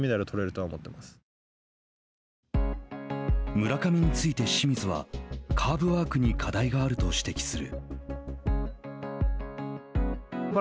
村上について清水はカーブワークに課題があると指摘する。